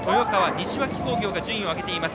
西脇工業も順位を上げています。